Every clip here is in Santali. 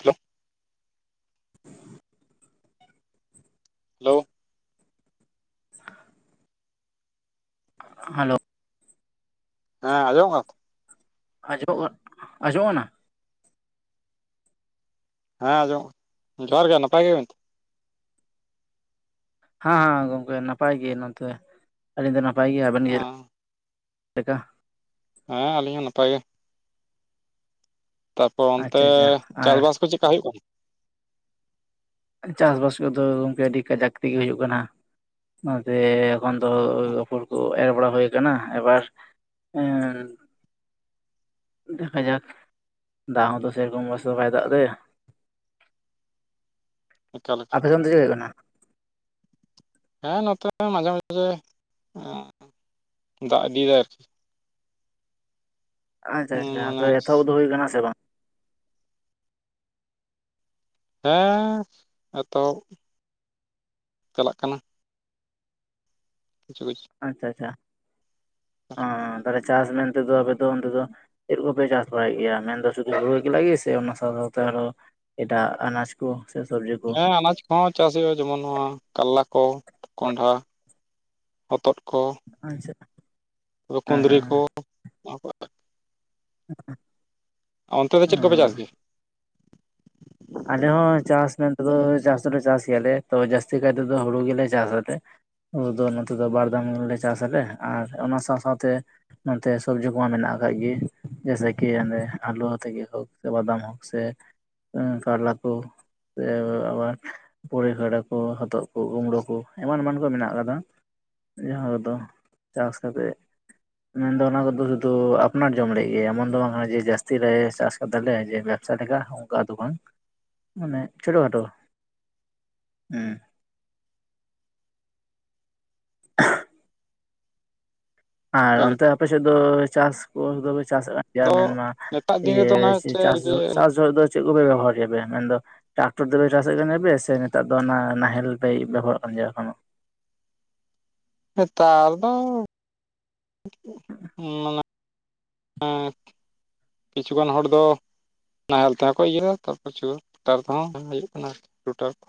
ᱦᱮᱞᱳ ᱾ [inaudible] ᱦᱮᱞᱳ ᱾ [inaudible] ᱦᱮᱞᱳ ᱾ ᱦᱮᱸ ᱟᱸᱡᱚᱢᱚᱜ ᱠᱟᱱᱟ ᱛᱚ? [unintelligible] ᱟᱸᱡᱚᱢᱚᱜ ᱠᱟᱱᱟ? ᱦᱮᱸ ᱟᱸᱡᱚᱢᱚᱜ, [inaudible] ᱡᱚᱦᱟᱸᱨ ᱜᱮ ᱱᱟᱯᱟᱭ ᱜᱮᱭᱟᱵᱮᱱ ᱛᱚ? ᱦᱮᱸ ᱦᱮᱸ ᱜᱚᱝᱠᱮ ᱱᱟᱯᱟᱭ ᱜᱮ ᱱᱚᱱᱛᱮ ᱾ ᱟᱹᱞᱤᱧ ᱫᱚ ᱱᱟᱯᱟᱭ ᱜᱮ, ᱟᱵᱮᱱ ᱜᱮ [inaudible] ᱪᱮᱫ ᱞᱮᱠᱟ? ᱦᱮᱸ, ᱟᱹᱞᱤᱧ ᱦᱚᱸ ᱱᱟᱯᱟᱭ ᱜᱮ ᱾ ᱛᱟᱯᱚᱨ ᱚᱱᱛᱮ ᱟᱪᱪᱷᱟ ᱟᱪᱪᱷᱟ ᱟᱨ ᱪᱟᱥᱵᱟᱥ ᱠᱚ ᱪᱮᱫ ᱠᱟ ᱦᱩᱭᱩᱜ ᱠᱟᱱᱟ? ᱪᱟᱥᱵᱟᱥ ᱠᱚᱫᱚ ᱜᱚᱢᱠᱮ ᱟᱹᱰᱤ ᱠᱟᱡᱟᱠ ᱛᱮᱜᱮ ᱦᱩᱭᱩᱜ ᱠᱟᱱᱟ ᱾ ᱚᱱᱟᱛᱮ ᱮᱠᱷᱚᱱ ᱫᱚ ᱟᱯᱷᱚᱨ ᱠᱚ ᱮᱨ ᱵᱟᱲᱟ ᱦᱩᱭ ᱟᱠᱟᱱᱟ, ᱮᱵᱟᱨ ᱮᱸᱻ ᱫᱮᱠᱷᱟᱡᱟᱠ ᱫᱟᱜ ᱦᱚᱸ ᱛᱚ ᱥᱮ ᱨᱚᱠᱚᱢ ᱢᱚᱡ ᱛᱮᱫᱚ ᱵᱟᱭ ᱫᱟᱜ ᱮᱫᱟ ᱭᱟ ᱾ ᱮᱠᱟᱞ [inaudible] ᱟᱯᱮ ᱚᱱᱛᱮ ᱫᱚ ᱪᱮᱫ ᱦᱩᱭᱩᱜ ᱠᱟᱱᱟ? ᱦᱮᱸ ᱱᱚᱛᱮ ᱦᱚ ᱢᱟᱡᱷᱮ ᱢᱟᱡᱷᱮ [inaudible] ᱫᱟᱜ ᱤᱫᱤ ᱭᱮᱫᱟᱭ ᱟᱨᱠᱤ ᱾ [inaudible] ᱟᱪᱪᱷᱟ ᱟᱪᱪᱷᱟ, ᱢᱟᱱᱮ ᱟᱯᱮ ᱮᱛᱚᱦᱚᱵ ᱫᱚ ᱦᱩᱭ ᱠᱟᱱᱟ ᱥᱮ ᱵᱟᱝ? ᱦᱮᱸ ᱮᱛᱚᱦᱚᱵ [inaudible] ᱪᱟᱞᱟᱜ ᱠᱟᱱᱟ ᱾ ᱠᱤᱪᱷᱩ ᱠᱤᱪ ᱟᱪᱪᱷᱟ ᱟᱪᱪᱷᱟ ᱾ [inaudible] ᱚ, ᱛᱟᱦᱞᱮ ᱪᱟᱥ ᱢᱮᱱᱛᱮ ᱫᱚ ᱟᱵᱮᱱ ᱫᱚ ᱚᱱᱛᱮ ᱫᱚ ᱪᱮᱫ ᱠᱚᱯᱮ ᱪᱟᱥ ᱵᱟᱲᱟᱭᱮᱫ ᱜᱮᱭᱟ? ᱢᱮᱱᱫᱚ ᱥᱩᱫᱷᱩ ᱦᱩᱲᱩ ᱮᱠᱞᱟ ᱜᱮ ᱥᱮ ᱚᱱᱟ ᱥᱟᱶ ᱥᱟᱶᱛᱮ ᱟᱨᱚ ᱮᱴᱟᱜ ᱟᱱᱟᱡᱽ ᱠᱚ ᱥᱮ ᱥᱚᱵᱽᱡᱤ ᱦᱮᱸ ᱟᱱᱟᱡᱽ ᱦᱚᱸ ᱪᱟᱥ ᱦᱩᱭᱩᱜᱼᱟ ᱾ ᱡᱮᱢᱚᱱ, ᱱᱚᱣᱟ ᱠᱟᱞᱞᱟ ᱠᱚ ᱠᱚᱸᱰᱷᱟ, ᱦᱚᱛᱚᱫ ᱠᱚ ᱾ ᱟᱪᱪᱷᱟ ᱾ ᱠᱩᱸᱫᱽᱨᱤ ᱠᱚ [unintelligible] [unintelligible] ᱚᱱᱛᱮ ᱫᱚ ᱪᱮᱫ ᱠᱚᱯᱮ ᱪᱟᱥ ᱦᱮᱸ ᱜᱮᱭᱟ ᱾ ᱟᱞᱮ ᱦᱚᱸ ᱪᱟᱥ ᱢᱮᱱᱛᱮ ᱫᱚ ᱪᱟᱥ ᱫᱚᱞᱮ ᱪᱟᱥ ᱜᱮᱭᱟ ᱞᱮ ᱾ ᱛᱚ ᱡᱟᱹᱥᱛᱤ ᱠᱟᱭ ᱛᱮᱫᱚ ᱦᱩᱲᱩ ᱜᱮᱞᱮ ᱪᱟᱥ ᱟᱞᱮ ᱾ ᱦᱩᱲᱩ ᱫᱚ ᱱᱚᱛᱮ ᱫᱚ ᱵᱟᱨ [unintelligible] ᱪᱟᱥ ᱟᱞᱮ ᱟᱨ ᱚᱱᱟ ᱥᱟᱶ ᱥᱟᱶᱛᱮ ᱱᱚᱛᱮ ᱥᱚᱵᱡᱤ ᱠᱚᱢᱟ ᱢᱮᱱᱟᱜ ᱟᱠᱟᱫ ᱜᱮ ᱾ ᱡᱮᱭᱮᱥᱮ [unintelligible] ᱟᱞᱩ ᱟᱛᱮᱜ ᱜᱮᱠᱚ ᱥᱮ ᱵᱟᱫᱟᱢ ᱦᱚᱸ ᱥᱮ ᱠᱟᱨᱞᱟ ᱠᱚ ᱥᱮ ᱟᱵᱟᱨ ᱯᱩᱨᱟᱹᱭ ᱠᱷᱟᱰᱟ ᱠᱚ ᱦᱚᱛᱚᱫ ᱠᱚ ᱠᱩᱢᱲᱳ ᱠᱚ ᱮᱢᱟᱱ ᱮᱢᱟᱱ ᱠᱚ ᱢᱮᱱᱟᱜ ᱟᱠᱟᱫᱟ ᱾ ᱡᱟᱦᱟᱸ ᱨᱮᱫᱚ ᱪᱟᱥ ᱠᱟᱛᱮᱫ ᱢᱮᱱᱫᱚ ᱚᱱᱟ ᱠᱚᱫᱚ ᱥᱩᱫᱩ ᱟᱯᱱᱟᱨ ᱡᱚᱢ ᱞᱟᱹᱜᱤᱫ ᱜᱮ ᱮᱢᱚᱱ ᱫᱚ ᱵᱟᱝ ᱠᱟᱱᱟ ᱡᱮ ᱡᱟᱹᱥᱛᱤ ᱞᱮ ᱪᱟᱥ ᱟᱠᱟᱫᱟᱞᱮ ᱡᱮ ᱪᱟᱴᱜᱟ ᱚᱱᱠᱟ ᱫᱚ ᱵᱟᱝ ᱢᱟᱱᱮ ᱪᱷᱳᱴᱳ ᱠᱷᱟᱴᱚ ᱦᱩᱸ [unintelligible] ᱟᱨ ᱚᱠᱟ ᱞᱮᱠᱟ ᱚᱱᱛᱮ ᱟᱯᱮᱥᱮᱫ ᱫᱚ ᱪᱟᱥ ᱠᱚ ᱫᱚᱯᱮ ᱪᱟᱥᱮᱫᱼᱟ ᱮᱭᱟ ᱟᱫᱚ ᱢᱮᱱᱢᱟ ᱱᱮᱛᱟᱨ ᱫᱤᱱ ᱤᱭᱟᱹ ᱨᱮᱫᱚ ᱚᱱᱟ ᱪᱮᱫ ᱪᱟᱥ ᱡᱩᱫᱤ ᱡᱚᱦᱚᱜ ᱪᱟᱥ ᱡᱚᱦᱚᱜ ᱫᱚ ᱪᱮᱫ ᱠᱚᱯᱮ ᱨᱚᱦᱚᱭ ᱜᱮᱭᱟᱯᱮ ᱢᱮᱱᱫᱚ ᱴᱟᱠᱴᱚᱨ ᱛᱮᱯᱮ ᱪᱟᱥᱮᱫ ᱠᱟᱱᱟ ᱯᱮ ᱥᱮ ᱱᱮᱛᱟᱨ ᱫᱚ ᱚᱱᱟ ᱱᱟᱦᱮᱞ ᱯᱮ ᱵᱮᱵᱚᱦᱟᱨᱚᱜ ᱠᱟᱱ ᱜᱮᱭᱟ ᱮᱠᱷᱚᱱᱳ ᱱᱮᱛᱟᱨ ᱫᱚ ᱦᱩᱸ ᱢᱟᱱᱮ [inaudible] ᱠᱤᱪᱷᱩᱜᱟᱱ ᱦᱚᱲ ᱫᱚ ᱱᱟᱦᱮᱞ ᱛᱮᱦᱚᱸ ᱠᱚ ᱤᱭᱟᱹᱭᱟ ᱛᱚ ᱯᱨᱚᱪᱩᱨ ᱛᱟᱨᱯᱚᱨ ᱴᱟᱠᱴᱚᱨ ᱛᱮᱦᱚᱸ ᱦᱩᱭᱩᱜ ᱠᱟᱱᱟ ᱟᱨ ᱨᱩᱴᱟᱨ ᱠᱚ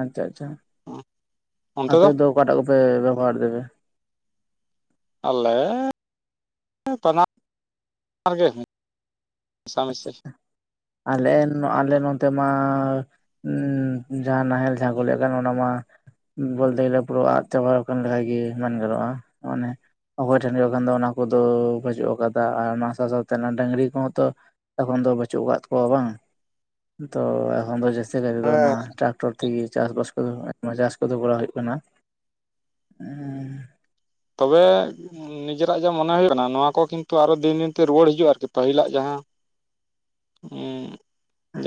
ᱟᱪᱪᱷᱟ ᱟᱪᱪᱷᱟ ᱚᱱᱛᱮ ᱫᱚ ᱟᱯᱮᱫᱚ ᱚᱠᱟᱴᱟᱜ ᱠᱚᱯᱮ ᱵᱮᱵᱚᱦᱟᱨ ᱫᱟᱵᱮ? ᱟᱞᱮ [inaudible] ᱵᱟᱱᱟᱨ ᱜᱮ ᱟᱪᱪᱷᱟ ᱢᱮᱥᱟᱢᱤᱥᱤ ᱟᱞᱮ ᱟᱞᱮ ᱡᱚᱛᱚ ᱱᱚᱛᱮ ᱢᱟ ᱩᱸᱻ ᱡᱟᱦᱟᱸ ᱱᱟᱦᱮᱞ ᱡᱟᱦᱟᱸ ᱠᱚ ᱞᱟᱹᱭᱮᱫ ᱠᱟᱱ ᱚᱱᱟ ᱢᱟ ᱵᱚᱞᱛᱮ ᱜᱮᱞᱮ ᱯᱩᱨᱟᱹ ᱟᱫ ᱪᱟᱵᱟ ᱟᱠᱟᱱ ᱞᱮᱠᱟ ᱜᱮ ᱢᱮᱱ ᱜᱟᱱᱚᱜᱼᱟ ᱚᱱᱮ ᱚᱠᱚᱭ ᱴᱷᱮᱱ ᱦᱩᱭᱩᱜ ᱠᱷᱟᱱ ᱫᱚ ᱚᱱᱟ ᱠᱚᱫᱚ ᱵᱟᱹᱪᱩᱜ ᱟᱠᱟᱫᱟ ᱟᱨ ᱚᱱᱟ ᱥᱟᱶ ᱥᱟᱶᱛᱮ ᱰᱟᱝᱨᱤ ᱠᱚᱦᱚᱸ ᱛᱚ ᱮᱠᱷᱚᱱ ᱫᱚ ᱵᱟᱪᱩᱜ ᱟᱠᱟᱫ ᱠᱚᱣᱟ ᱵᱟᱝ ᱛᱚ ᱮᱠᱷᱚᱱ ᱫᱚ ᱡᱟᱹᱥᱛᱤ ᱠᱟᱭ ᱫᱚ ᱚᱱᱟ ᱦᱮᱸ ᱴᱨᱟᱠᱴᱚᱨ ᱛᱮ ᱛᱮᱜᱮ ᱪᱟᱥ ᱵᱟᱥ ᱠᱚᱫᱚ ᱟᱭᱢᱟ ᱪᱟᱥ ᱠᱚᱫᱚ ᱠᱚᱨᱟᱣ ᱦᱩᱭᱩᱜ ᱠᱟᱱᱟ ᱩᱸᱻ ᱛᱚᱵᱮ ᱱᱤᱡᱮᱨᱟᱜ ᱡᱟ ᱢᱚᱱᱮ ᱦᱩᱭᱩᱜ ᱠᱟᱱᱟ ᱱᱚᱣᱟ ᱠᱚ ᱠᱤᱱᱛᱩ ᱟᱨᱚ ᱫᱤᱱ ᱫᱤᱱᱛᱮ ᱨᱩᱣᱟᱹᱲ ᱦᱤᱡᱩᱜᱼᱟ ᱟᱨᱠᱤ ᱯᱟᱹᱦᱤᱞᱟᱜ ᱡᱟᱦᱟᱸ ᱩᱸᱻ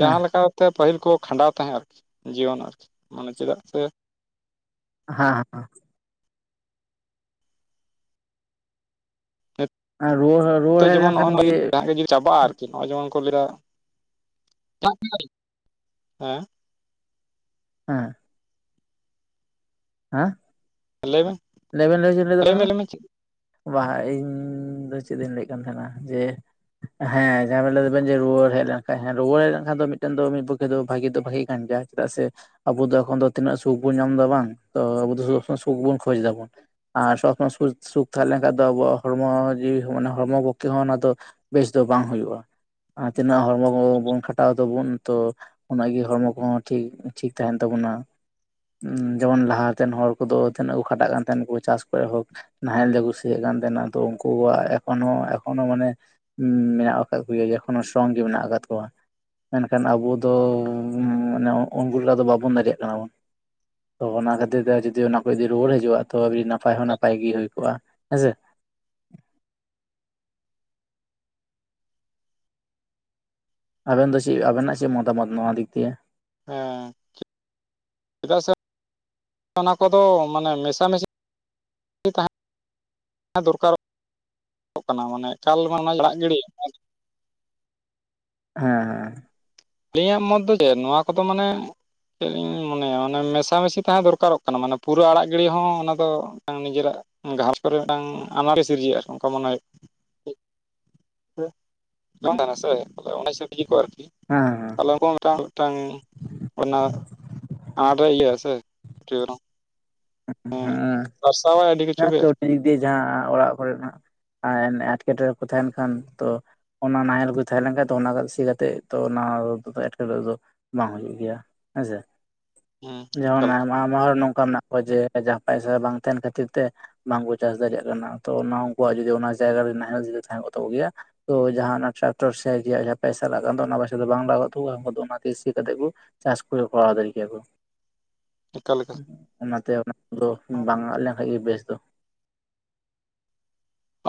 ᱡᱟᱦᱟᱸ ᱞᱮᱠᱟᱛᱮ ᱯᱟᱹᱦᱤᱞ ᱠᱚ ᱠᱷᱟᱸᱰᱟᱣ ᱛᱟᱦᱮᱸᱫ ᱟᱨᱠᱤ ᱡᱤᱭᱚᱱ ᱟᱨᱠᱤ ᱢᱟᱱᱮ ᱪᱮᱫᱟᱜ ᱥᱮ ᱦᱟᱸᱦᱟᱸ ᱦᱮᱸ ᱨᱩᱣᱟᱹᱲ ᱨᱩᱣᱟᱹᱲ ᱱᱤᱛᱳᱜ ᱦᱮᱡ ᱡᱮᱢᱚᱱ ᱞᱮᱱᱠᱷᱟᱱ ᱜᱮ ᱱᱚᱜ-ᱚᱱᱟᱜᱮ ᱡᱟᱦᱟᱸ ᱡᱩᱫᱤ ᱪᱟᱵᱟᱜᱼᱟ ᱟᱨᱠᱤ ᱱᱚᱜᱼᱚᱭ ᱡᱮᱢᱚᱱ ᱠᱚ ᱞᱟᱹᱭᱟ ᱫᱟᱜ ᱡᱟᱹᱲᱤ ᱦᱮᱸ ᱦᱮᱸ ᱦᱮᱸ ᱞᱟᱹᱭ ᱢᱮ ᱞᱟᱹᱭᱵᱮᱱ ᱞᱟᱹᱭᱪᱮᱱ ᱞᱟᱹᱭᱮᱫᱟ ᱞᱟᱹᱭ ᱵᱟᱝ ᱢᱮ ᱞᱟᱹᱭ ᱜᱟᱱᱚᱜ-ᱟ, ᱢᱮ ᱪᱮᱫ ᱵᱟᱝ ᱤᱧ ᱫᱚ ᱪᱮᱫ ᱤᱧ ᱞᱟᱹᱭᱮᱫ ᱠᱟᱱ ᱛᱟᱦᱮᱱᱟ ᱡᱮ ᱦᱮᱸ ᱡᱟᱦᱟᱸ ᱵᱮᱱ ᱞᱟᱹᱭ ᱫᱟᱵᱮᱱ ᱡᱮ ᱨᱩᱣᱟᱹᱲ ᱦᱮᱡ ᱞᱮᱱᱠᱷᱟᱱᱡ ᱨᱩᱣᱟᱹᱲ ᱦᱮᱡ ᱞᱮᱱᱠᱷᱟᱱ ᱫᱚ ᱢᱤᱫᱴᱟᱝ ᱫᱚ ᱢᱤᱫ ᱯᱚᱠᱠᱷᱮ ᱫᱚ ᱵᱷᱟᱜᱤ ᱫᱚ ᱵᱷᱟᱜᱤ ᱠᱟᱱ ᱜᱮᱭᱟ ᱪᱮᱫᱟᱜ ᱥᱮ ᱟᱵᱚ ᱫᱚ ᱮᱠᱷᱚᱱ ᱫᱚ ᱛᱤᱱᱟᱹᱜ ᱥᱩᱠ ᱵᱚᱱ ᱧᱟᱢ ᱮᱫᱟ ᱵᱟᱝ ᱟᱵᱚ ᱫᱚ ᱥᱚᱵ ᱥᱚᱢᱚᱭ ᱥᱩᱠ ᱵᱚᱱ ᱠᱷᱚᱡ ᱫᱟᱵᱚᱱ ᱟᱨ ᱥᱚᱵ ᱥᱚᱢᱚᱭ ᱥᱩᱠ ᱥᱩᱠ ᱛᱟᱦᱮᱸ ᱞᱮᱱᱠᱷᱟᱱᱡ ᱫᱚ ᱟᱵᱚᱣᱟᱜ ᱦᱚᱲᱢᱚ ᱡᱤᱣᱤ ᱢᱟᱱᱮ ᱦᱚᱲᱢᱚ ᱯᱚᱠᱠᱷᱮ ᱦᱚᱸ ᱚᱱᱟ ᱫᱚ ᱵᱮᱥ ᱫᱚ ᱵᱟᱝ ᱦᱩᱭᱩᱜᱼᱟ ᱟᱨ ᱛᱤᱱᱟᱹᱜ ᱦᱚᱲᱢᱚ ᱠᱚ ᱵᱚᱱ ᱠᱷᱟᱴᱟᱣ ᱫᱟᱵᱚᱱ ᱛᱚ ᱚᱱᱟ ᱤᱭᱟᱹ ᱦᱚᱲᱢᱚ ᱠᱚᱦᱚᱸ ᱴᱷᱤᱠ ᱴᱷᱤᱠ ᱛᱟᱦᱮᱱ ᱛᱟᱵᱚᱱᱟ ᱡᱮᱢᱚᱱ ᱞᱟᱦᱟᱛᱮᱱ ᱦᱚᱲ ᱠᱚᱫᱚ ᱛᱤᱱᱟᱹᱜ ᱠᱷᱟᱴᱟᱜ ᱠᱟᱱ ᱛᱟᱦᱮᱱ ᱠᱚ ᱪᱟᱥ ᱠᱚᱨᱮ ᱦᱳᱠ ᱱᱟᱦᱮᱞ ᱛᱮ ᱠᱩ ᱥᱤᱭᱮᱫ ᱠᱟᱱ ᱛᱟᱦᱮᱸᱱᱟ ᱛᱚ ᱩᱱᱠᱩᱣᱟᱜ ᱮᱠᱷᱚᱱᱳ ᱮᱠᱷᱚᱱᱳ ᱢᱟᱱᱮ ᱩᱸᱻ ᱢᱮᱱᱟᱜ ᱟᱠᱟᱫ ᱠᱚ ᱜᱮᱭᱟ ᱡᱮ ᱠᱳᱱᱳ ᱥᱚᱝ ᱜᱮ ᱢᱮᱱᱟᱜ ᱟᱠᱟᱫ ᱠᱚᱣᱟ ᱢᱮᱱᱠᱷᱟᱱ ᱟᱵᱚ ᱫᱚᱻ ᱢᱟᱱᱮ ᱩᱱᱠᱩ ᱞᱮᱠᱟ ᱫᱚ ᱵᱟᱵᱚᱱ ᱫᱟᱲᱮᱭᱟᱜ ᱠᱟᱱᱟ ᱵᱚᱱ ᱛᱚ ᱚᱱᱟ ᱠᱷᱟᱹᱛᱤᱨ ᱛᱮ ᱡᱩᱫᱤ ᱚᱱᱟ ᱠᱚ ᱡᱩᱫᱤ ᱨᱩᱣᱟᱹᱲ ᱦᱤᱡᱩᱜᱼᱟ ᱛᱚ ᱟᱹᱰᱤ ᱱᱟᱯᱟᱭ ᱦᱚᱸ ᱱᱟᱯᱟᱭ ᱜᱮ ᱦᱩᱭ ᱠᱚᱜᱼᱟ ᱦᱮᱸᱥᱮ ᱟᱵᱮᱱ ᱫᱚ ᱪᱮᱫ ᱟᱵᱮᱱᱟᱜ ᱪᱮᱫ ᱢᱚᱛᱟᱢᱚᱛ ᱱᱚᱣᱟ ᱫᱤᱠ ᱫᱤᱭᱮ? ᱦᱮᱸ ᱪᱮᱫᱟᱜ ᱥᱮ ᱚᱱᱟ ᱠᱚᱫᱚ ᱢᱟᱱᱮ ᱢᱮᱥᱟᱢᱤᱥᱤ ᱛᱟᱦᱮᱸ ᱫᱚᱨᱠᱟᱨ [inaudible] ᱠᱟᱱᱟ ᱢᱟᱱᱮ ᱮᱠᱟᱞ ᱜᱮ ᱚᱱᱟ ᱟᱲᱟᱜ ᱜᱤᱲᱤ ᱦᱮᱸ ᱦᱮᱸ ᱟᱹᱞᱤᱧᱟᱜ ᱢᱚᱛ ᱫᱚ ᱪᱮᱫ ᱱᱚᱣᱟ ᱠᱚᱫᱚ ᱢᱟᱱᱮ ᱪᱮᱫ ᱤᱧ ᱢᱚᱱᱮᱭᱟ ᱢᱟᱱᱮ ᱢᱮᱥᱟᱢᱮᱥᱤ ᱛᱟᱦᱮᱸ ᱫᱚᱨᱠᱟᱨᱚᱜ ᱠᱟᱱᱟ ᱢᱟᱱᱮ ᱯᱩᱨᱟᱹ ᱟᱲᱟᱜ ᱜᱤᱲᱤ ᱦᱚᱸ ᱚᱱᱟ ᱫᱚ ᱱᱤᱡᱮᱨᱟᱜ ᱜᱷᱟᱨᱚᱸᱡᱽ ᱠᱚᱨᱮ ᱢᱤᱫᱴᱟᱝ ᱟᱱᱟᱴ ᱜᱮ ᱥᱤᱨᱡᱟᱹᱜᱼᱟ ᱚᱱᱠᱟ ᱢᱚᱱᱮ ᱦᱩᱭᱩᱜᱼᱟ᱾ [inaudible] ᱵᱟᱝ ᱛᱟᱦᱮᱱᱟ ᱥᱮ ᱚᱱᱟ ᱦᱤᱥᱟᱹᱵ ᱴᱷᱤᱠ ᱠᱚᱜᱼᱟ ᱟᱨᱠᱤ ᱦᱮᱸ ᱛᱟᱦᱞᱮ ᱢᱤᱫᱴᱟᱝ ᱢᱤᱫᱴᱟᱝ ᱚᱱᱟ ᱟᱰᱨᱮ ᱤᱭᱟᱹ ᱥᱮ [unintelligible] ᱦᱮᱸ ᱥᱟᱨᱥᱟᱣᱟᱭ ᱟᱹᱰᱤ ᱠᱤᱪᱷᱩ [unintelligible] ᱜᱮ ᱟᱨᱠᱤ ᱠᱟᱹᱣᱰᱤ ᱫᱤᱠ ᱡᱟᱦᱟᱸ ᱚᱲᱟᱜ ᱠᱚᱨᱮ ᱱᱟᱦᱟᱜ ᱟᱨ ᱮᱱ ᱮᱸᱴᱠᱮᱴᱚᱬᱮ ᱠᱚ ᱛᱟᱦᱮᱱ ᱠᱷᱟᱱ ᱛᱚ ᱚᱱᱟ ᱱᱟᱦᱮᱞ ᱠᱚ ᱛᱟᱦᱮᱸ ᱞᱮᱱ ᱠᱷᱟᱡ ᱫᱚ ᱚᱱᱟ ᱥᱤ ᱠᱟᱛᱮᱜ ᱛᱚ ᱚᱱᱟ ᱮᱴᱠᱮᱴᱚᱬᱮ ᱫᱚ ᱵᱟᱝ ᱦᱩᱭᱩᱜ ᱜᱮᱭᱟ᱾ ᱦᱮᱸᱥᱮ ᱦᱮᱸ ᱡᱮᱢᱚᱱ ᱮᱠᱟᱞ ᱟᱭᱢᱟ ᱟᱭᱢᱟ ᱦᱚᱲ ᱱᱚᱝᱠᱟ ᱢᱮᱱᱟᱜ ᱠᱚᱣᱟ ᱡᱮ, ᱡᱟᱦᱟᱸ ᱯᱟᱭᱥᱟ ᱵᱟᱝ ᱛᱟᱦᱮᱱ ᱠᱷᱟᱹᱛᱤᱨ ᱛᱮ ᱵᱟᱝᱠᱚ ᱪᱟᱥ ᱫᱟᱲᱮᱭᱟᱜ ᱠᱟᱱᱟ ᱛᱚ ᱚᱱᱟ ᱩᱱᱠᱩᱣᱟᱜ ᱡᱚᱫᱤ ᱚᱱᱟ ᱡᱟᱭᱜᱟᱮ ᱱᱟᱦᱮᱞᱚᱜ ᱡᱩᱫᱤ ᱛᱟᱦᱮᱸ ᱠᱚᱜ ᱛᱟᱠᱚ ᱜᱮᱭᱟ, ᱛᱚ ᱡᱟᱦᱟᱸ ᱚᱱᱟ ᱴᱨᱟᱠᱴᱚᱨ ᱥᱤ ᱨᱮᱭᱟᱜ ᱯᱚᱭᱥᱟ ᱞᱟᱜᱟᱣ ᱠᱟᱱ ᱚᱱᱟ ᱯᱚᱭᱥᱟ ᱫᱚ ᱵᱟᱝ ᱞᱟᱜᱟᱣ ᱠᱚ ᱛᱟᱠᱚᱣᱟ ᱚᱱᱟᱛᱮ ᱥᱤ ᱠᱟᱛᱮ ᱠᱩ ᱪᱟᱥ ᱠᱚ ᱠᱚᱨᱟᱣ ᱫᱟᱨᱮᱜ ᱠᱮᱭᱟ ᱠᱚ, ᱮᱠᱟᱞ ᱮᱠᱟᱞ ᱚᱱᱟᱛᱮ ᱚᱱᱟᱫᱚ ᱵᱟᱝ ᱟᱫ ᱞᱮᱠᱷᱟᱭ ᱜᱮ ᱵᱮᱥ ᱫᱚ᱾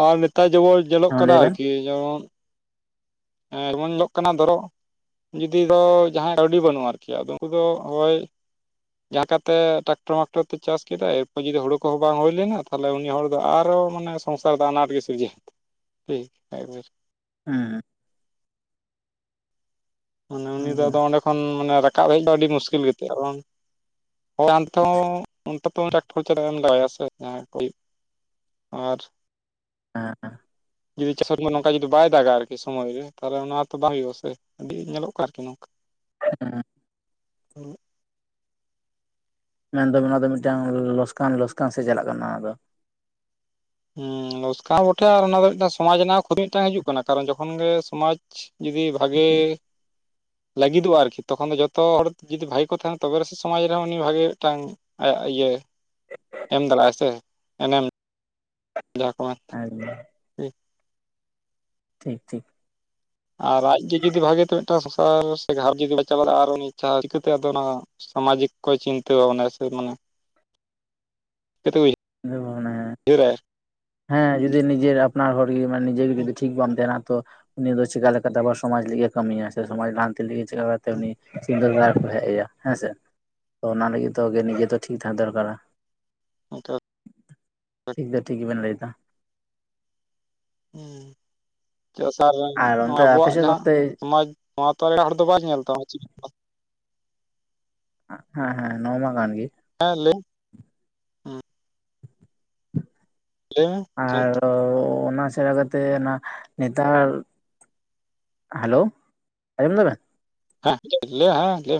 ᱟᱨ ᱱᱮᱛᱟᱨ ᱡᱮᱵᱚᱱ ᱧᱮᱞᱚᱜ ᱦᱮᱸ ᱠᱟᱱᱟ ᱞᱟᱹᱭ ᱵᱮᱱ ᱟᱨᱠᱤ ᱡᱮᱢᱚᱱ ᱮᱸ ᱮᱢᱚᱱ ᱧᱤᱞᱚᱜ ᱠᱟᱱᱟ ᱫᱷᱚᱨᱚ, ᱡᱩᱫᱤ ᱫᱚ ᱡᱟᱦᱟᱸᱭ ᱠᱟᱹᱣᱰᱤ ᱵᱟᱹᱱᱩᱜ ᱟᱨᱠᱤ ᱟᱫᱚ ᱩᱱᱠᱩ ᱫᱚ ᱦᱳᱭ ᱡᱟᱦᱟᱸ ᱞᱮᱠᱟᱛᱮ ᱴᱨᱟᱠᱴᱚᱨ ᱢᱟᱠᱴᱚᱨ ᱛᱮ ᱪᱟᱥ ᱠᱮᱫᱟ ᱮᱨᱯᱚᱨ ᱡᱩᱫᱤ ᱦᱳᱲᱳ ᱠᱚᱦᱚᱸ ᱵᱟᱝ ᱦᱩᱭ ᱞᱮᱱᱟ, ᱛᱟᱦᱚᱞᱮ ᱩᱱᱤ ᱦᱚᱲ ᱫᱚ ᱟᱨᱚ ᱢᱟᱱᱮ ᱥᱚᱝᱥᱟᱨ ᱫᱚ ᱟᱱᱟᱴ ᱜᱮ ᱥᱤᱨᱡᱟᱹᱣ [unintelligible] ᱦᱩᱸ ᱢᱟᱱᱮ ᱩᱱᱤ ᱫᱚ ᱮᱠᱫᱚᱢ ᱟᱫᱚ ᱚᱸᱰᱮ ᱠᱷᱚᱱ ᱨᱟᱠᱟᱵ ᱦᱮᱜ ᱫᱚ ᱟᱹᱰᱤ ᱢᱩᱥᱠᱤᱞ ᱜᱮ ᱛᱟᱭᱟ ᱟᱨ ᱵᱟᱝ, ᱦᱳᱭ ᱟᱱᱛᱮ ᱦᱚᱸ ᱚᱱᱛᱮ [unintelligible] ᱴᱥᱠᱴᱚᱨ ᱪᱟᱞᱟᱜ ᱮᱢ ᱞᱟᱜᱟᱣᱭᱟ ᱥᱮ [unintelligible] ᱟᱨ ᱦᱮᱸ ᱮᱸ ᱡᱩᱫᱤ ᱪᱟᱥᱢᱟ ᱱᱚᱝᱠᱟ ᱡᱩᱫᱤ ᱵᱟᱭ ᱫᱟᱜᱟ ᱟᱨᱠᱤ ᱥᱚᱢᱚᱭ ᱨᱮ ᱛᱟᱦᱚᱞᱮ ᱚᱱᱟ ᱛᱚ ᱵᱟᱝ ᱦᱩᱭᱩᱜᱼᱟ ᱥᱮ ᱟᱹᱰᱤ ᱧᱮᱹᱮᱞᱚᱜ ᱠᱟᱱᱟ ᱟᱨᱠᱤ ᱱᱚᱝᱠᱟ, ᱦᱮᱸ ᱦᱩᱸ ᱢᱮᱱ ᱫᱚ ᱱᱚᱣᱟ ᱫᱚ ᱢᱤᱫᱴᱟᱝ ᱞᱚᱥᱠᱟᱱ ᱞᱚᱥᱠᱟᱱ ᱥᱮᱫ ᱪᱟᱞᱟᱜ ᱠᱟᱱᱟ ᱱᱚᱣᱟ ᱫᱚ ᱦᱩᱸ ᱞᱚᱥᱠᱟ ᱵᱚᱴᱷᱮ ᱟᱨ ᱚᱱᱟ ᱫᱚ ᱢᱤᱫᱴᱟᱝ ᱥᱚᱢᱟᱡ ᱨᱮᱱᱟᱜ ᱠᱷᱩᱛᱤ ᱢᱤᱫᱴᱟᱝ ᱦᱤᱡᱩᱜ ᱠᱟᱱᱟ ᱠᱟᱨᱚᱱ ᱡᱚᱠᱷᱚᱱ ᱜᱮ ᱥᱚᱢᱟᱡᱽ, ᱡᱩᱫᱤ ᱵᱷᱟᱜᱮ ᱞᱟᱹᱜᱤᱫᱚᱜᱼᱟ ᱟᱨᱠᱤ ᱛᱚᱠᱷᱚᱱ ᱫᱚ ᱡᱚᱛᱚ ᱦᱚᱲ ᱡᱩᱫᱤ ᱵᱷᱟᱜᱤ ᱠᱚ ᱛᱟᱦᱮᱱᱟ ᱛᱚᱵᱮᱥ ᱥᱚᱢᱟᱡᱽ ᱨᱮᱦᱚᱸ ᱩᱱᱤ ᱵᱷᱟᱜᱮ ᱢᱤᱫᱴᱟᱝ ᱟᱭᱟᱜ ᱤᱭᱟᱹ ᱮᱢ ᱫᱟᱞᱮᱜ ᱟᱭ ᱥᱮ ᱮᱱᱮᱢ, ᱡᱟᱦᱟᱸ ᱠᱚ ᱢᱮᱱ ᱦᱮᱸ ᱴᱷᱤᱠ ᱴᱷᱤᱠ, ᱟᱨ ᱟᱡ ᱜᱮ ᱡᱩᱫᱤ ᱵᱷᱟᱜᱮᱛᱮ ᱢᱤᱫᱴᱟᱝ ᱥᱚᱝᱥᱟᱨ ᱥᱮ ᱜᱷᱟᱨ ᱡᱩᱫᱤ ᱵᱟ ᱪᱟᱞᱟᱣ ᱫᱟᱲᱮᱭᱟᱜᱼᱟ ᱟᱨ ᱩᱱᱤ ᱤᱪᱪᱷᱟ ᱪᱤᱠᱟᱹᱛᱮ ᱟᱫᱚ ᱚᱱᱟ, ᱥᱟᱢᱟᱡᱤᱠ ᱠᱚ ᱪᱤᱱᱛᱟᱹ ᱵᱷᱟᱵᱽᱱᱟ ᱥᱮ ᱢᱟᱱᱮ [unintelligible] ᱦᱮᱸ ᱢᱟᱱᱮ ᱦᱤᱨᱮ ᱦᱮᱸ ᱡᱩᱫᱤ ᱱᱤᱡᱮᱨ ᱟᱯᱱᱟᱟᱹᱨ ᱦᱚᱲ ᱜᱮ ᱢᱟᱱ ᱱᱤᱡᱮ ᱜᱮ ᱡᱩᱫᱤ ᱴᱷᱤᱠ ᱵᱟᱝᱢ ᱛᱟᱦᱮᱱᱟ ᱛᱚ, ᱩᱱᱤ ᱫᱚ ᱪᱮᱠᱟ ᱞᱮᱠᱟᱛᱮ ᱟᱵᱟᱨ ᱥᱚᱢᱟᱡᱽ ᱞᱟᱹᱜᱤᱫ ᱮ ᱠᱟᱹᱢᱤᱭᱟ ᱥᱮ ᱥᱚᱢᱟᱡᱽ ᱞᱟᱦᱟᱱᱛᱤ ᱞᱟᱹᱜᱤᱫ ᱪᱮᱠᱟᱛᱮ ᱩᱱᱤ ᱥᱤᱫᱟᱹ ᱫᱟᱨ ᱠᱚ ᱦᱮᱜ ᱟᱭᱟ, ᱦᱮᱸᱥᱮ ᱛᱚ ᱚᱱᱟ ᱞᱟᱹᱜᱤᱫ ᱛᱮ ᱱᱤᱡᱮ ᱫᱚ ᱴᱷᱤᱠ ᱛᱟᱦᱮᱸ ᱫᱚᱨᱠᱟᱨᱟ᱾ ᱚᱱᱠᱟ ᱴᱷᱤᱠ ᱫᱚ ᱴᱷᱤᱠ ᱜᱮᱵᱮᱱ ᱞᱟᱹᱭᱫᱟ, ᱦᱮᱸ ᱪᱟᱥᱟᱨ ᱟᱨ ᱱᱚᱣᱟ ᱚᱱᱛᱮ ᱟᱯᱮ ᱟᱵᱚᱣᱟᱜ ᱥᱮᱫ ᱫᱚ ᱡᱟᱦᱟᱸ ᱚᱱᱛᱮ ᱥᱚᱢᱟᱡᱽ ᱱᱚᱣᱟ ᱛᱚ ᱮᱴᱟᱜ ᱦᱚᱲ ᱫᱚ ᱵᱟᱭ ᱧᱮᱞ ᱛᱟᱢᱟ ᱪᱮᱫ ᱞᱮᱠᱟ, ᱦᱮᱸ ᱦᱮᱸ ᱱᱚᱣᱟ ᱢᱟ ᱜᱟᱱ ᱜᱮᱼᱼ ᱦᱮᱸ ᱞᱟᱹᱭ ᱞᱟᱹᱭ ᱢᱮ ᱟᱨ ᱚᱱᱟ ᱥᱮᱲᱟ ᱠᱟᱛᱮᱼᱼ ᱱ ᱚᱱᱟ ᱱᱮᱛᱟᱨ ᱦᱮᱞᱳ ᱟᱸᱡᱚᱢᱚᱢ ᱫᱟ ᱵᱮᱱ? ᱦᱞᱤ ᱦᱮ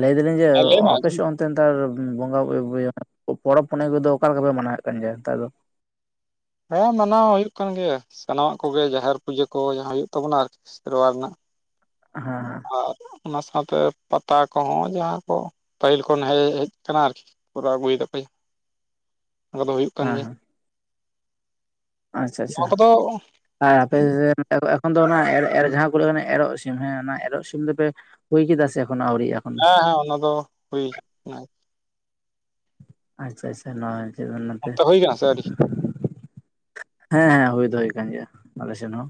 ᱞᱟᱹᱭ ᱫᱟᱞᱤᱧ ᱡᱮ ᱦᱮᱸ ᱞᱟᱹᱭ ᱢᱮ ᱟᱸᱡᱚᱢ ᱚᱯᱷᱤᱥᱚᱱ ᱛᱮ ᱱᱮᱛᱟᱨ ᱵᱚᱸᱜᱟ ᱯᱚᱨᱚᱵᱽ ᱯᱩᱱᱟᱭ ᱠᱚᱫᱚ ᱚᱠᱟᱞᱮ ᱞᱮᱠᱟᱯᱮ ᱢᱟᱱᱟᱣᱮᱫ ᱠᱟᱱ ᱜᱮᱭᱟ ᱱᱮᱛᱟᱨ ᱫᱚ? ᱦᱮᱸ ᱢᱟᱱᱟᱣ ᱦᱩᱭᱩᱜ ᱠᱟᱱ ᱜᱮᱭᱟ ᱥᱟᱱᱟᱢᱟᱜ ᱠᱚᱜᱮ ᱡᱟᱦᱮᱨ ᱯᱩᱡᱟᱹ ᱠᱚ ᱡᱟᱦᱟᱸ ᱦᱩᱭᱩᱜ ᱛᱟᱵᱚᱱᱟ ᱟᱨᱠ ᱥᱮᱨᱣᱟ ᱨᱮᱱᱟᱜ ᱦᱮᱸ ᱦᱮᱸ ᱟᱨ ᱚᱱᱟ ᱥᱟᱶᱛᱮ ᱯᱟᱛᱟ ᱠᱚᱦᱚᱸ ᱡᱟᱦᱟᱸ ᱠᱚ ᱯᱟᱹᱦᱤᱞ ᱠᱷᱚᱱ ᱦᱮᱡ ᱦᱮᱡ ᱟᱠᱟᱱᱟ ᱟᱨᱠᱤ ᱠᱚᱨᱟᱣ ᱟᱜᱩᱭᱫᱟ ᱠᱚ [inaudible] ᱚᱱᱟᱠᱟᱫᱚ ᱦᱩᱭᱩᱜ ᱠᱟᱱ ᱦᱮᱸ ᱜᱮᱭᱟ᱾ ᱦᱮᱸ ᱟᱪᱪᱷᱟ ᱟᱪᱪᱷᱟ ᱱᱚᱣᱟ ᱠᱚᱫᱚ ᱟᱨ ᱟᱯᱮ ᱦᱮᱸ ᱮᱠᱷᱚᱱ ᱫᱚ ᱡᱟᱦᱟᱸ ᱠᱚ ᱞᱟᱹᱭ ᱠᱟᱱᱟ ᱮᱨᱚᱜ ᱥᱤᱢ ᱦᱮᱸ ᱚᱱᱟ ᱮᱨᱚᱜ ᱥᱤᱢ ᱫᱚᱯᱮᱼᱼ ᱦᱩᱭ ᱠᱮᱫᱟ ᱥᱮ ᱮᱚᱱ ᱟᱣᱨᱤᱟᱜ-ᱟ? ᱦᱮᱸ ᱦᱮᱸ ᱚᱱᱟ ᱫᱚ ᱦᱩᱭ ᱮᱱᱟ ᱟᱪᱪᱷᱟ ᱟᱪᱪᱷᱟ ᱱᱚᱚᱭ ᱚᱱᱛᱮ ᱦᱩᱭ ᱠᱟᱱᱟ ᱥᱮ ᱟᱹᱨᱤ ᱦᱮᱸ ᱦᱮᱸ ᱦᱩᱭ ᱫᱚᱦᱚᱭ ᱠᱟᱱ ᱜᱮᱭᱟ ᱟᱞᱮ ᱥᱮᱱ ᱦᱚᱸ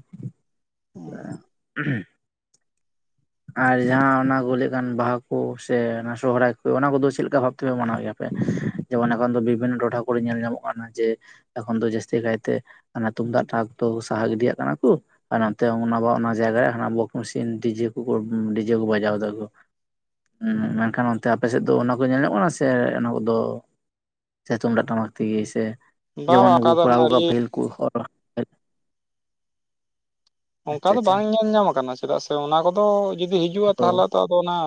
[unintelligible] ᱟᱨ ᱡᱟᱦᱟᱸ ᱚᱱᱟ ᱠᱚ ᱞᱟᱹᱭᱮᱫ ᱠᱟᱱ ᱵᱟᱦᱟ ᱠᱚ ᱥᱮ ᱚᱱᱟ ᱥᱚᱦᱦᱟᱭ ᱠᱚ ᱚᱱᱟ ᱠᱚᱫᱚ ᱪᱮᱫᱠᱟ ᱵᱷᱟᱵ ᱛᱮᱯᱮ ᱢᱟᱱᱟᱣ ᱜᱮᱭᱟ? ᱡᱮᱢᱚᱱ ᱮᱠᱷᱚᱱ ᱫᱚ ᱵᱤᱵᱷᱤᱱᱱᱚ ᱴᱚᱴᱷᱟ ᱠᱚᱨᱮ ᱧᱮᱞ ᱧᱟᱢᱚᱜ ᱠᱟᱱᱟ ᱡᱮ ᱮᱠᱷᱚᱱ ᱫᱚ ᱡᱟᱹᱥᱛᱤ ᱠᱟᱭᱛᱮ ᱛᱩᱢᱫᱟᱜ ᱴᱟᱢᱟᱠ ᱫᱚ ᱥᱟᱦᱟ ᱜᱤᱰᱤᱭᱟᱜ ᱠᱟᱱᱟ ᱠᱚ, ᱟᱨ ᱱᱚᱛᱮ ᱵᱟ ᱚᱱᱟ ᱡᱟᱭᱜᱮ ᱦᱟᱱᱟ ᱵᱚᱜ ᱢᱮᱥᱤᱱ ᱰᱤᱡᱮ ᱠᱚᱠᱚ ᱰᱤᱡᱮ ᱠᱚ ᱵᱟᱡᱟᱣ ᱫᱟ ᱠᱚ ᱢᱮᱱᱠᱷᱟᱱ ᱚᱱᱛᱮ ᱟᱯᱮᱥᱮᱫ ᱫᱚ ᱚᱱᱟ ᱠᱚ ᱧᱮᱞ ᱧᱚᱜ ᱠᱟᱱᱟ ᱥᱮ ᱚᱱᱟ ᱠᱚᱫᱚᱼᱼ ᱥᱮ ᱛᱩᱢᱫᱟᱜ ᱴᱟᱢᱟᱠ ᱛᱮᱜᱮ ᱥᱮ ᱵᱟᱝ ᱡᱮᱢᱚᱱ ᱵᱟᱝ ᱚᱱᱠᱟ ᱱᱩᱠᱩ ᱫᱚ ᱠᱚᱲᱟᱟᱣᱩ ᱟᱹᱰᱤ ᱟᱠᱟᱫ ᱯᱟᱹᱦᱤᱞ ᱠᱚ ᱦᱚᱲ ᱚᱱᱠᱟ ᱟᱪᱪᱷᱟ ᱫᱚ ᱟᱪᱪᱷᱟ ᱵᱟᱝ ᱧᱮᱞ ᱧᱟᱢ ᱟᱠᱟᱱᱟ ᱪᱮᱫᱟᱜ ᱥᱮ ᱚᱱᱟ ᱠᱚᱫᱚ ᱡᱩᱫᱤ ᱦᱤᱡᱩᱜᱼᱟ ᱛᱟ ᱦᱚᱞᱮ ᱛᱚ ᱛᱚᱼᱼ ᱟᱫᱚ ᱚᱱᱟ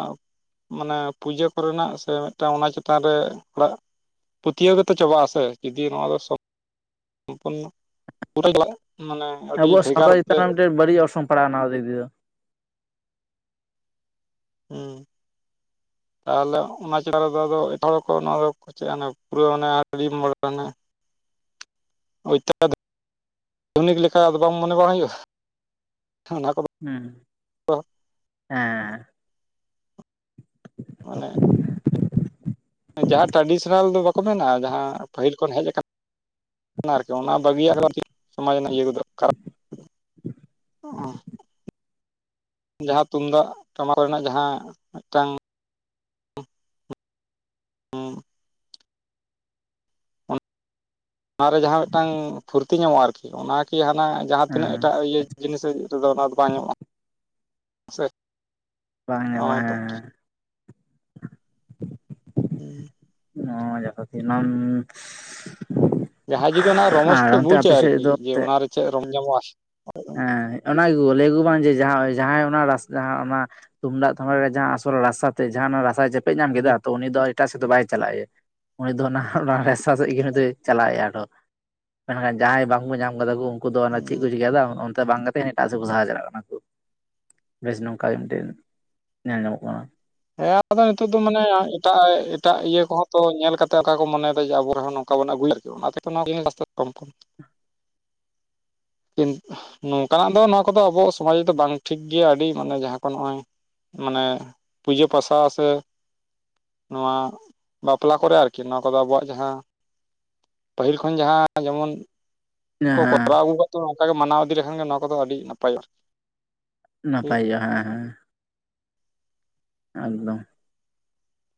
ᱢᱟᱱᱮ ᱯᱩᱡᱟᱹ ᱠᱚᱨᱮᱱᱟᱜ ᱥᱮ ᱢᱤᱫᱴᱟᱝ ᱚᱱᱟ ᱪᱮᱛᱟᱱ ᱨᱮ ᱦᱚᱲᱟᱜ ᱯᱟᱹᱛᱭᱟᱹᱣ ᱠᱟᱛᱮ ᱪᱟᱵᱟᱜ ᱟᱥᱮ ᱡᱩᱫᱤ ᱱᱚᱣᱟ ᱫᱚᱼᱼ ᱯᱩᱨ [unintelligible] ᱢᱟᱱᱮ ᱟᱹᱰᱤ ᱟᱵᱚᱣᱟᱜ ᱵᱷᱮᱜᱟᱨ ᱥᱟᱶᱛᱟ ᱛᱮ ᱪᱮᱛᱟᱱ ᱨᱮ ᱢᱤᱫᱴᱮᱱ ᱵᱟᱹᱲᱤᱡ ᱚᱨᱥᱚᱝ ᱯᱟᱲᱟᱜᱼᱟ ᱚᱱᱟ ᱫᱤᱫᱤ ᱫᱚ ᱦᱮᱸ ᱛᱟᱦᱚᱞᱮ ᱚᱱᱟ ᱪᱮᱛᱟᱱ ᱨᱮᱫᱚ ᱟᱫᱚ ᱮᱴᱟᱜ ᱠᱚ ᱱᱚᱣᱟ ᱫᱚᱼᱼ ᱯᱩᱨᱟᱹ ᱢᱟᱱᱮ [unintelligible] ᱳᱭᱛᱚᱩᱱᱤᱠ ᱞᱮᱠᱟ ᱟᱫᱚ ᱵᱟᱝ ᱢᱚᱱᱮ ᱵᱟᱲᱟ ᱦᱩᱭᱩᱜᱼᱟ ᱦ ᱚᱱᱟ ᱠᱚᱫᱚᱼᱼ ᱦᱚᱢ ᱦᱮᱸ ᱚᱱᱮ ᱡᱟᱦᱟᱸ ᱴᱨᱟᱰᱤᱥᱚᱱᱟᱞ ᱫᱚ ᱵᱟᱠᱚ ᱢᱮᱱᱟ ᱡᱟᱦᱟᱸ ᱯᱟᱹᱦᱤᱞ ᱠᱷᱚᱱ ᱦᱮᱡ ᱟᱠᱟᱱᱼᱼ ᱟᱨᱠᱤ ᱚᱱᱟ ᱵᱟᱹᱜᱤᱭᱟᱜ ᱥᱚᱢᱟᱡᱽ ᱨᱮᱱᱟᱜ ᱤᱭᱟᱹ ᱠᱚᱫ ᱠᱷᱟᱨᱟᱯ ᱚᱻ ᱡᱟᱦᱟᱸ ᱛᱩᱢᱫᱟᱜ ᱴᱟᱢᱟᱠ ᱨᱮᱱᱟ ᱡᱟᱦᱟᱸ ᱢᱤᱫᱴᱟᱝᱼᱼ ᱦᱻ ᱚᱱᱟ ᱨᱮ ᱡᱟᱦᱟᱸ ᱢᱤᱫᱴᱟᱝ ᱯᱷᱩᱨᱛᱤ ᱧᱟᱢᱚᱜᱼᱟ ᱟᱨᱠᱤ ᱚᱱᱟ ᱠᱤ ᱦᱟᱱᱟ ᱡᱟᱦᱟᱸ ᱦᱮᱸ ᱛᱤᱱᱟᱹᱜ ᱮᱴᱟᱜ ᱤᱭᱟᱹᱼᱼ ᱡᱤᱱᱤᱥ ᱨᱮᱫᱚ ᱚᱱᱟ ᱫᱚ ᱵᱟᱝ ᱧᱚᱜᱼᱟ᱾ ᱵᱟᱝ ᱚ ᱧᱟᱢᱚᱜᱼᱟ, ᱛᱚ ᱦᱮᱸ ᱦᱮᱸ ᱾ ᱦᱩᱸ ᱾ ᱚ, ᱡᱚᱛᱚ [unintelligible] ᱡᱟᱦᱟᱸᱭ ᱡᱩᱫᱤ ᱚᱱᱟ ᱨᱚᱢᱚᱡᱽ ᱛᱮ ᱵᱩᱡᱟ ᱟᱨᱠᱤ, ᱡᱮ ᱮᱱᱛᱮᱫ ᱚᱱᱟ ᱨᱮ ᱪᱮᱫ ᱨᱚᱢ ᱧᱟᱢᱚᱜᱼᱟ ᱾ ᱚᱱᱟ ᱜᱮᱠᱩ ᱞᱟᱹᱭ ᱟᱠᱩ ᱵᱟᱝ ᱡᱮ ᱡᱟᱦᱟᱸᱭ ᱡᱟᱦᱟᱸᱭ ᱚᱱᱟ ᱨᱟᱥ ᱚᱱᱟ ᱛᱩᱢᱫᱟᱜ ᱴᱟᱢᱟᱠ ᱨᱮ ᱡᱟᱦᱟᱸ ᱟᱥᱚᱞ ᱨᱟᱥᱟ ᱛᱮᱫ ᱡᱟᱦᱟᱸ ᱚᱱᱟ ᱨᱟᱥᱟᱭ ᱪᱮᱯᱮᱡ ᱧᱟᱢ ᱠᱮᱫᱟ ᱾ ᱟᱫᱚ ᱩᱱᱤ ᱫᱚ ᱮᱴᱟᱜ ᱥᱮᱫ ᱫᱚ ᱵᱟᱭ ᱪᱟᱞᱟᱜ ᱜᱮᱭᱟ ᱾ ᱩᱱᱤ ᱫᱚ ᱱᱟᱦᱟᱜ ᱚᱱᱟ ᱨᱟᱥᱟ ᱥᱮᱫ ᱜᱮ ᱩᱱᱤ ᱫᱚᱭ ᱪᱟᱞᱟᱜ ᱮᱭᱟ ᱟᱨᱚ ᱾ ᱢᱮᱱᱠᱷᱟᱱ ᱡᱟᱦᱟᱸᱭ ᱵᱟᱝᱠᱚ ᱧᱟᱢ ᱟᱠᱟᱫᱟ ᱠᱚ ᱩᱱᱠᱩ ᱫᱚ ᱪᱮᱫ ᱠᱚ ᱪᱤᱠᱟᱭ ᱮᱫᱟ ᱚᱱᱛᱮ ᱵᱟᱝ ᱛᱮᱱ ᱮᱴᱟᱜ ᱥᱮᱫ ᱠᱚ ᱥᱟᱦᱟ ᱪᱟᱞᱟᱜ ᱠᱟᱱᱟ ᱠᱚ ᱾ [inaudible] ᱵᱮᱥ ᱱᱚᱝᱠᱟ ᱜᱮ ᱢᱤᱫᱴᱮᱱ ᱧᱮᱞ ᱧᱟᱢᱚᱜ ᱠᱟᱱᱟ ᱾ ᱦᱮᱸ ᱟᱫᱚ ᱱᱤᱛᱳᱜ ᱫᱚ ᱢᱟᱱᱮ ᱮᱴᱟᱜ ᱮᱴᱟᱜ ᱤᱭᱟᱹ ᱠᱚᱦᱚᱸ ᱛᱚ ᱧᱮᱞ ᱠᱟᱛᱮ ᱚᱠᱟ ᱠᱚ ᱢᱚᱱᱮ ᱮᱫᱟ ᱡᱮ ᱟᱵᱚ ᱨᱮᱦᱚᱸ ᱱᱚᱝᱠᱟ ᱵᱩᱱ ᱟᱹᱜᱩᱭᱟ ᱛᱚ ᱚᱱᱟ ᱛᱮ [unintelligible] ᱠᱚᱢ ᱠᱚᱢ [inaudible] ᱠᱤᱱᱛᱩ ᱱᱚᱝᱠᱟᱱᱟᱜ ᱫᱚ ᱱᱚᱣᱟ ᱠᱚᱫᱚ ᱟᱵᱚ ᱥᱚᱢᱟᱡᱽ ᱨᱮᱫᱚ ᱵᱟᱝ ᱴᱷᱤᱠ ᱜᱮᱭᱟ, ᱟᱹᱰᱤ ᱢᱟᱱᱮ ᱡᱟᱦᱟᱸ ᱠᱚ ᱱᱚᱜᱼᱚᱭ ᱢᱟᱱᱮ ᱯᱩᱡᱟᱹ ᱯᱟᱥᱟ ᱥᱮ ᱱᱚᱣᱟ ᱵᱟᱯᱞᱟ ᱠᱚᱨᱮ ᱟᱨᱠᱤ ᱱᱚᱣᱟ ᱠᱚᱫᱚ ᱟᱵᱚᱣᱟᱜ ᱡᱟᱦᱟᱸ ᱯᱟᱹᱦᱤᱞ ᱠᱷᱚᱱ ᱡᱟᱦᱟᱸ ᱡᱮᱢᱚᱱ ᱠᱚ ᱦᱮᱸ ᱠᱚᱨᱟᱣ ᱟᱹᱜᱩ ᱟᱠᱟᱫ ᱛᱟᱵᱚᱱᱟ ᱾ᱱᱚᱝᱠᱟ ᱜᱮ ᱢᱟᱱᱟᱣ ᱤᱫᱤ ᱞᱮᱠᱷᱟᱱ ᱜᱮ ᱱᱚᱣᱟ ᱠᱚᱫᱚ ᱟᱹᱰᱤ ᱱᱟᱯᱟᱭᱼᱟ ᱾ ᱱᱟᱯᱟᱭ ᱜᱮᱭᱟ ᱾ ᱦᱮᱸ ᱦᱮᱸ ᱾ ᱮᱠᱫᱚᱢ ᱾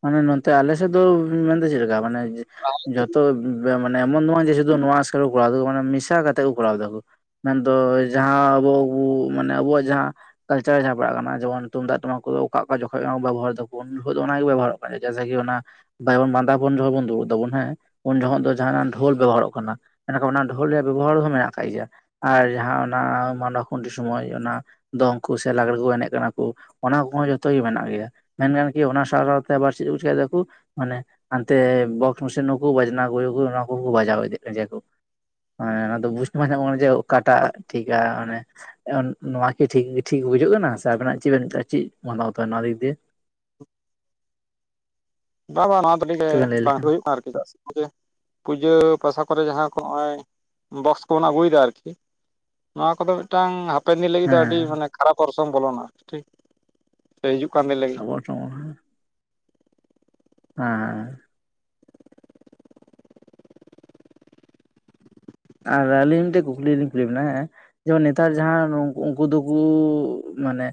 ᱢᱟᱱᱮ ᱱᱚᱛᱮ ᱟᱞᱮ ᱥᱮᱫ ᱫᱚ ᱢᱮᱱ ᱫᱚ ᱪᱮᱫ ᱞᱮᱠᱟ ᱢᱟᱱᱮ ᱡᱷᱚᱛᱚ ᱢᱟᱱᱮ ᱮᱢᱚᱱ ᱫᱚ ᱵᱟᱝ ᱡᱮ ᱡᱷᱚᱛᱚ ᱱᱚᱣᱟ ᱮᱥᱠᱟᱨ ᱠᱚ ᱠᱚᱨᱟᱣ ᱮᱫᱟ ᱾ ᱢᱟᱱᱮ ᱢᱮᱥᱟ ᱠᱟᱛᱮᱫ ᱠᱚ ᱠᱚᱨᱟᱣ ᱮᱫᱟ ᱠᱩ ᱾ ᱢᱮᱱᱫᱚ ᱡᱟᱦᱟᱸ ᱟᱵᱩ ᱵᱩ ᱢᱟᱱᱮ ᱟᱵᱩᱣᱟᱜ ᱡᱟᱦᱟᱸ ᱠᱟᱞᱪᱟᱨ ᱨᱮ ᱡᱟᱦᱟᱸ ᱯᱟᱲᱟᱜ ᱠᱟᱱᱟ ᱾ ᱡᱮᱢᱚᱱ ᱛᱩᱢᱫᱟᱜ ᱴᱟᱢᱟᱠ ᱠᱚᱫᱚ ᱚᱠᱟ ᱚᱠᱟ ᱡᱚᱠᱷᱚᱡ ᱵᱟᱝ ᱵᱮᱵᱚᱦᱟᱨ ᱮᱫᱟ ᱵᱚᱱ ᱩᱱ ᱡᱚᱦᱚᱜ ᱫᱚ ᱚᱱᱟ ᱜᱮ ᱵᱚ ᱵᱮᱵᱚᱦᱟᱨᱟ ᱾ [unintelligible] ᱡᱮᱭᱥᱮ ᱠᱤ ᱚᱱᱟ ᱵᱟᱵᱚᱱ ᱵᱟᱸᱫᱟᱯᱚᱱ ᱡᱚᱠᱷᱚᱱ ᱵᱚᱱ ᱫᱩᱲᱩᱵ ᱮᱫᱟᱵᱚᱱ ᱦᱮᱸ, ᱩᱱ ᱡᱚᱠᱷᱚᱱ ᱫᱚ ᱡᱟᱦᱱᱟᱜ ᱰᱷᱳᱞ ᱵᱮᱵᱚᱦᱟᱨᱚᱜ ᱠᱟᱱᱟ ᱾ ᱢᱮᱱᱠᱷᱱ ᱚᱱᱟ ᱰᱷᱳᱞ ᱨᱮᱭᱟᱜ ᱵᱮᱵᱚᱦᱟᱨ ᱦᱚᱸ ᱢᱮᱱᱟᱜ ᱟᱠᱟᱜ ᱜᱮᱭᱟ ᱟᱨ ᱡᱟᱦᱟᱸ ᱚᱱᱟ ᱢᱟᱱᱚ ᱠᱷᱩᱱᱴᱤ ᱥᱚᱢᱚᱭ ᱚᱱᱟ ᱫᱚᱝ ᱠᱚ ᱥᱮ ᱞᱟᱜᱽᱲᱮ ᱠᱚ ᱮᱱᱮᱡ ᱠᱟᱱᱟ ᱠᱩ ᱚᱱᱟ ᱠᱚᱦᱚᱸ ᱡᱚᱛᱚ ᱜᱮ ᱢᱮᱱᱟᱜ ᱜᱮᱭᱟ, ᱢᱮᱱᱠᱷᱟᱱ ᱠᱤ ᱚᱱᱟ ᱥᱟᱶ ᱥᱟᱶᱛᱮ [unintelligible] ᱪᱮᱠᱟᱭ ᱮᱫᱟ ᱠᱚ ᱢᱟᱱᱮ ᱦᱟᱱᱛᱮ ᱵᱚᱠᱥ ᱢᱮᱥᱤᱱ ᱦᱚᱸᱠᱚ ᱵᱟᱡᱱᱟ ᱠᱚᱨᱮ ᱠᱚ ᱚᱱᱟ ᱠᱚᱠᱚ ᱵᱟᱡᱟᱣ ᱤᱫᱤ ᱟᱜ ᱠᱟᱱ ᱜᱮᱭᱟ ᱠᱚ ᱾ ᱦᱮᱸᱻ, ᱚᱱᱟ ᱫᱚ ᱵᱩᱡᱽ ᱵᱟᱝ ᱧᱟᱢᱚᱜ ᱠᱟᱱᱟ ᱡᱮ ᱚᱠᱟᱴᱟᱜ ᱴᱷᱤᱠᱟ, ᱢᱟᱱᱮ ᱱᱚᱣᱟ ᱠᱤ ᱴᱷᱤᱠ ᱴᱷᱤᱠ ᱵᱩᱡᱷᱟᱹᱜ ᱠᱟᱱᱟ ᱥᱮ ᱟᱵᱮᱱᱟᱜ ᱪᱮᱫ ᱵᱮᱱ ᱪᱮᱫ ᱢᱚᱱᱵᱷᱟᱵ ᱱᱚᱣᱟ ᱤᱫᱠ ᱫᱤᱭᱮ? ᱵᱟ ᱵᱟᱝ ᱱᱚᱣᱟ [unintelligible] ᱜᱮ ᱠᱟᱹᱴᱤᱡ ᱞᱟᱹᱭ ᱵᱟᱝ ᱞᱮᱠᱷᱟᱱ ᱦᱩᱭᱩᱜᱼᱟ ᱠᱟᱱᱟ ᱟᱨᱠᱤ ᱪᱮᱫᱟᱜ ᱥᱮ ᱯᱩᱡᱟᱹ ᱯᱟᱥᱟ ᱠᱚᱨᱮ ᱡᱟᱦᱟᱸ ᱠᱚ ᱱᱚᱜᱼᱚᱭ ᱵᱚᱠᱚᱥ ᱠᱚᱵᱚᱱ ᱟᱹᱜᱩᱭᱮᱫᱟ ᱟᱨᱠᱤ ᱱᱚᱣᱟ ᱠᱚᱫᱚ ᱢᱤᱫᱴᱟᱝ ᱦᱟᱯᱮᱱ ᱫᱤᱱ ᱞᱟᱹᱜᱤᱫ ᱫᱚ ᱟᱹᱰᱤ ᱦᱮᱸ ᱢᱟᱱᱮ ᱠᱷᱟᱨᱟᱯ ᱚᱨᱥᱚᱝ ᱵᱚᱞᱚᱱᱟ ᱴᱷᱤᱠ ᱥᱮ ᱦᱤᱡᱩᱜ ᱠᱟᱱ ᱫᱤᱱ ᱞᱟᱹᱜᱤᱫ ᱾ ᱯᱚᱴᱚᱢ ᱚᱱᱟ ᱦᱮᱸᱻ ᱟᱨ ᱟᱹᱞᱤᱧ ᱢᱤᱫᱴᱮᱱ ᱠᱩᱠᱞᱤ ᱞᱤᱧ ᱠᱩᱞᱤ ᱮᱫ ᱵᱮᱱᱟ ᱦᱮᱸ ᱡᱮᱢᱚᱱ ᱱᱮᱛᱟᱨ ᱡᱟᱦᱟᱸ ᱩᱱᱠᱩ ᱫᱚᱠᱚ ᱢᱟᱱᱮ